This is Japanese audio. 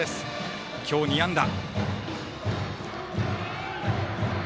今日２安打。